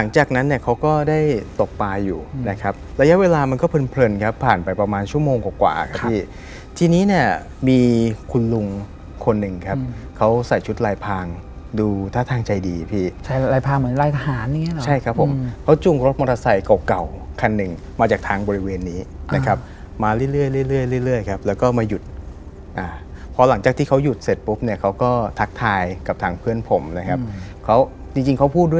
จากนั้นเนี่ยเขาก็ได้ตกปลายอยู่นะครับระยะเวลามันก็เพลินครับผ่านไปประมาณชั่วโมงกว่ากว่าครับพี่ที่นี้เนี่ยมีคุณลุงคนหนึ่งครับเขาใส่ชุดลายพางดูท่าทางใจดีพี่ใช้ลายพางเหมือนลายทหารใช่ครับผมเขาจุงรถมอเตอร์ไซค์เก่าคันหนึ่งมาจากทางบริเวณนี้นะครับมาเรื่อยครับแล้วก็มาหยุดพอหลังจากที่เขาหยุ